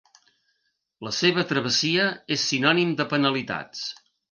La seva travessia és sinònim de penalitats.